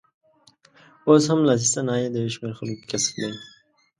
اوس هم لاسي صنایع د یو شمېر خلکو کسب دی.